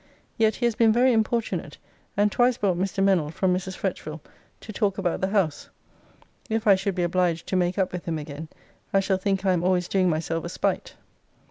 Yet he has been very importunate, and twice brought Mr. Mennell from Mrs. Fretchvill to talk about the house. If I should be obliged to make up with him again, I shall think I am always doing myself a spite.